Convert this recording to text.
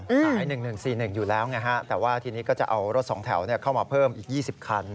สาย๑๑๔๑อยู่แล้วไงฮะแต่ว่าทีนี้ก็จะเอารถ๒แถวเข้ามาเพิ่มอีก๒๐คัน